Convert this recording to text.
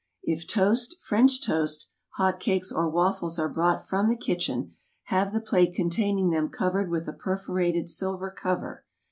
If toast, French toast, hot cakes, or waffles are brought from the kitchen, have the plate containing them covered with a perforated silver cover.